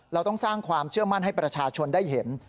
เราต้องสร้างความเชื่อมั่นให้ประชาชนได้เห็น